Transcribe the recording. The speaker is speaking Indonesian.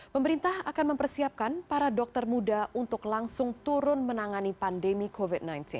pemerintah akan mempersiapkan para dokter muda untuk langsung turun menangani pandemi covid sembilan belas